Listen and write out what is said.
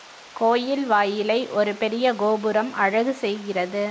கோயில் வாயிலை ஒரு பெரிய கோபுரம் அழகு செய்கிறது.